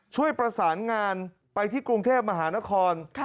ช่วยประสานงานไปที่กรุงเทพมหานคร